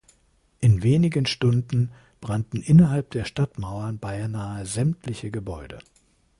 In wenigen Stunden brannten innerhalb der Stadtmauern beinahe sämtliche Gebäude.